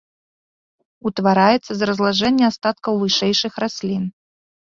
Утвараецца з разлажэння астаткаў вышэйшых раслін.